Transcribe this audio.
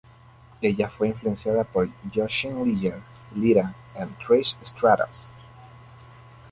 Ella fue influenciada por Jushin Liger, Lita y Trish Stratus.